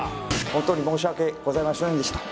本当に申し訳ございませんでした。